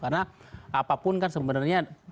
karena apapun kan sebenarnya